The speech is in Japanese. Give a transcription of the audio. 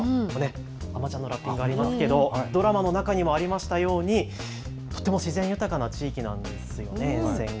あまちゃんのラッピングがありますけれども、ドラマの中にもありましたように、とっても自然豊かな地域なんですよね、沿線が。